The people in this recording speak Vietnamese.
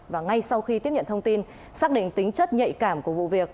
và ngay sau khi tiếp nhận thông tin xác định tính chất nhạy cảm của vụ việc